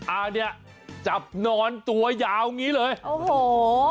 อันนี้จับนอนตัวยาวงี้เลยโอ้โห